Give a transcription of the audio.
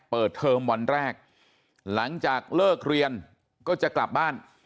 เทอมวันแรกหลังจากเลิกเรียนก็จะกลับบ้าน